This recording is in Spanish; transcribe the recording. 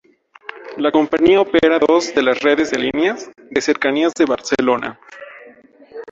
La compañía opera dos de las redes de líneas de cercanías de Barcelona.